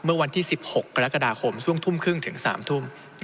เมื่อวันที่๑๖กรกฎาคมช่วงทุ่มครึ่งถึง๓ทุ่ม